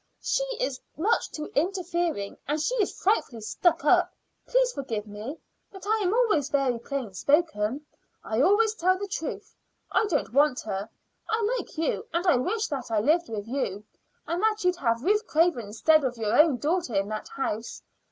"She is much too interfering, and she is frightfully stuck up. Please forgive me, but I am always very plain spoken; I always tell the truth. I don't want her. I like you, and wish that I lived with you, and that you'd have Ruth Craven instead of your own daughter in the house.